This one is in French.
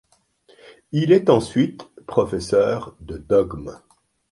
Il est ensuite professeur de dogme.